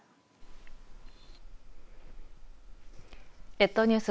列島ニュース